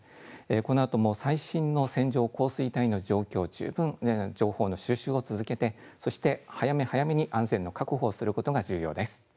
このあとも最新の線状降水帯の状況を十分情報の収集を続けて、そして早め早めに安全の確保をすることが重要です。